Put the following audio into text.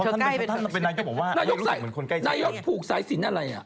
นายก็บอกว่ารุกษัตริย์หน่ายกผูกสายสินอะไร